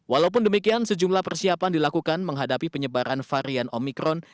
walaupun demikian sejumlah persiapan dilakukan menghadapi penyebaran varian omikron